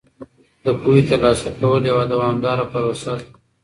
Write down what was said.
د پوهې ترلاسه کول یوه دوامداره پروسه ده.